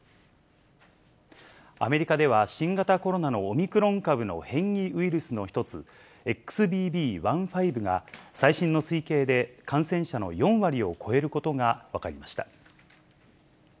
アメリカでは新型コロナのオミクロン株の変異ウイルスの１つ、ＸＢＢ．１．５が、最新の推計で感染者の４割を超えることが分かりました。